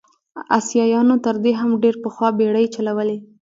اسیایانو تر دې هم ډېر پخوا بېړۍ چلولې.